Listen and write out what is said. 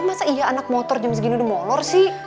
masa iya anak motor jam segini udah monor sih